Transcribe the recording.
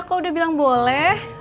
kok udah bilang boleh